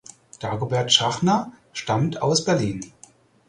Dagobert Schachner stammt aus Berlin.